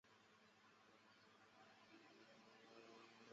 斯里兰卡隔保克海峡和印度相望。